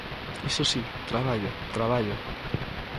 Iso si, traballa, traballa.